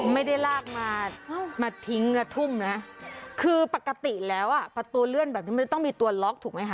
ไม่ได้ลากมามาทิ้งอ่ะทุ่มนะคือปกติแล้วอ่ะประตูเลื่อนแบบนี้มันต้องมีตัวล็อกถูกไหมคะ